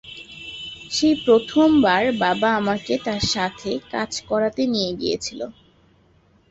সেই প্রথমবার বাবা আমাকে তার সাথে কাজ করাতে নিয়ে গিয়েছিল।